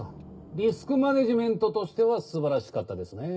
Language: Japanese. リスクマネジメントとしては素晴らしかったですねぇ。